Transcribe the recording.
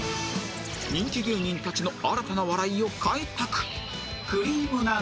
人気芸人たちの新たな笑いを開拓